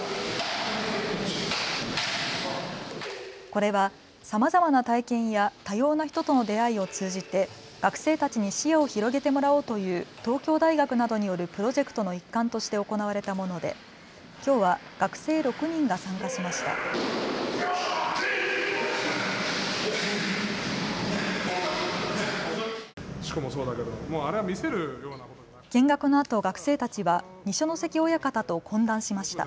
これは、さまざまな体験や多様な人との出会いを通じて学生たちに視野を広げてもらおうという東京大学などによるプロジェクトの一環として行われたものできょうは学生６人が参加しました。